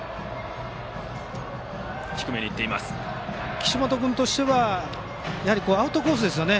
岸本君としてはアウトコースですよね。